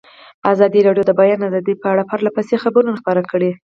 ازادي راډیو د د بیان آزادي په اړه پرله پسې خبرونه خپاره کړي.